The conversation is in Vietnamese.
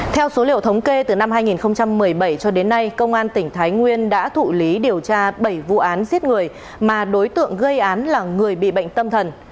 theo số liệu thống kê từ năm hai nghìn một mươi bảy cho đến nay công an tỉnh thái nguyên đã thụ lý điều tra bảy vụ án giết người mà đối tượng gây án là người bị bệnh tâm thần